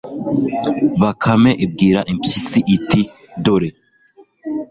bakame ibwira impyisi iti, dore